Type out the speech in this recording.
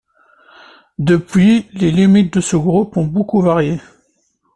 Depuis, les limites de ce groupe ont beaucoup variées.